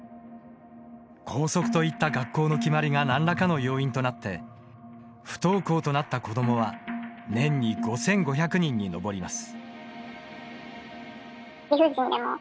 校則といった学校の決まりが何らかの要因となって不登校となった子どもは年に５５００人に上ります。